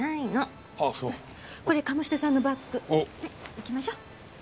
行きましょう。